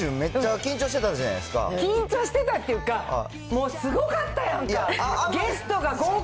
緊張してたっていうか、もうすごかったやんか。